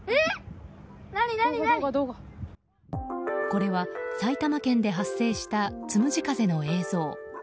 これは埼玉県で発生したつむじ風の映像。